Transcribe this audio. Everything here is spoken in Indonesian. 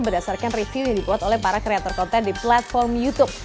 berdasarkan review yang dibuat oleh para kreator konten di platform youtube